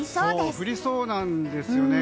降りそうなんですよね。